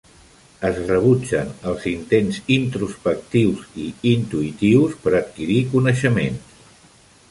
Es rebutgen els intents introspectius i intuïtius per adquirir coneixements.